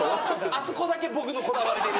あそこだけ僕のこだわり。